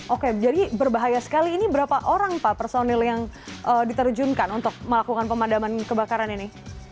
oke jadi berbahaya sekali ini berapa orang pak personil yang diterjunkan untuk melakukan pemadaman kebakaran ini